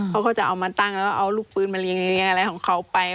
เขาก็จะเอามาตั้งแล้วก็เอาลูกปืนมาเลี้ยอะไรของเขาไป